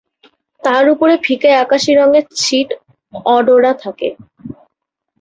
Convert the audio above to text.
তার ওপরে ফিকে আকাশী রঙের ছিট অ-ডোরা থাকে।